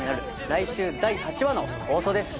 来週第８話の放送です